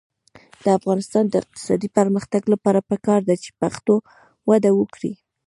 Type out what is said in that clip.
د افغانستان د اقتصادي پرمختګ لپاره پکار ده چې پښتو وده وکړي.